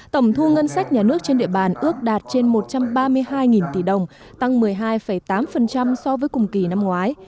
tổng thu ngân sách nhà nước trên địa bàn ước đạt trên một trăm ba mươi hai tỷ đồng tăng một mươi hai tám so với cùng kỳ năm ngoái